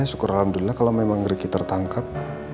ya syukur alhamdulillah kalau memang riki tertangkap